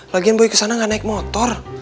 lagian boy kesana gak naik motor